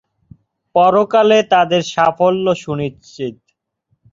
পরকালে তাদের সাফল্য সুনিশ্চিত।